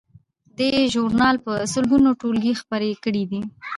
دې ژورنال په سلګونو ټولګې خپرې کړې دي.